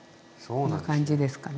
こんな感じですかね。